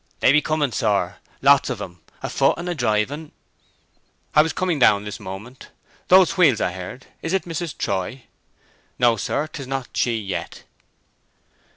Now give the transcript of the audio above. "They be coming, sir—lots of 'em—a foot and a driving!" "I was coming down this moment. Those wheels I heard—is it Mrs. Troy?" "No, sir—'tis not she yet."